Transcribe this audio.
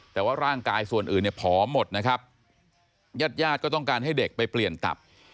แต่ว่าร่างกายส่วนอื่นเนี่ยผอมหมดนะครับญาติญาติก็ต้องการให้เด็กไปเปลี่ยนตับ